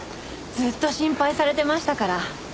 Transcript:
ずっと心配されてましたから。